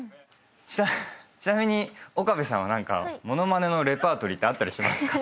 ちなみに岡部さんは何か物まねのレパートリーってあったりしますか？